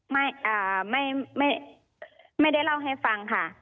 ไม่ไม่ได้เล่าให้ฟังค่ะ